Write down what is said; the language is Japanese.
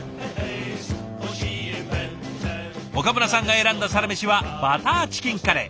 岡村さんが選んだサラメシはバターチキンカレー。